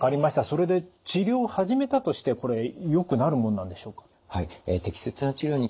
それで治療を始めたとしてこれよくなるものなんでしょうか？